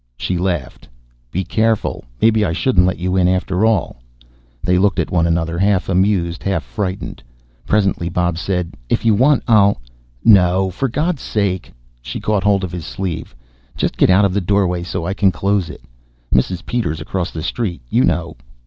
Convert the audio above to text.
She laughed. "Be careful! Maybe I shouldn't let you in after all." They looked at one another, half amused half frightened. Presently Bob said, "If you want, I'll " "No, for God's sake." She caught hold of his sleeve. "Just get out of the doorway so I can close it. Mrs. Peters across the street, you know."